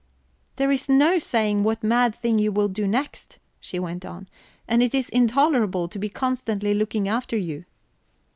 "There's no saying what mad thing you will do next," she went on. "And it is intolerable to be constantly looking after you."